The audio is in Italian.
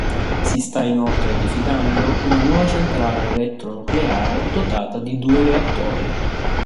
Si sta inoltre edificando una nuova centrale elettronucleare dotata di due reattori.